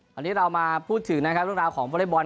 รับทราบพูดถึงเรื่องราวของวลัยบอล